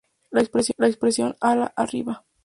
La expresión Ala-Arriba!